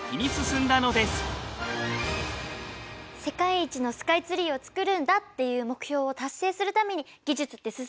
世界一のスカイツリーを作るんだっていう目標を達成するために技術って進んでいくんですね。